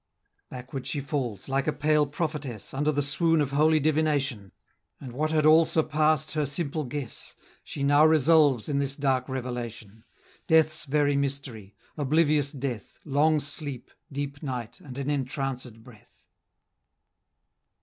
Backward she falls, like a pale prophetess, Under the swoon of holy divination: And what had all surpass'd her simple guess, She now resolves in this dark revelation; Death's very mystery, oblivious death; Long sleep, deep night, and an entranced breath.